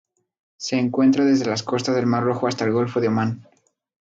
Se encuentra desde las costas del Mar Rojo hasta el Golfo de Omán.